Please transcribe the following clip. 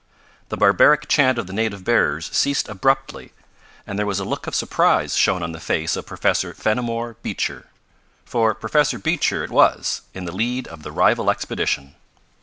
The barbaric chant of the native bearers ceased abruptly, and there was a look of surprise shown on the face of Professor Fenimore Beecher. For Professor Beecher it was, in the lead of the rival expedition.